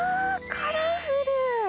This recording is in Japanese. カラフル。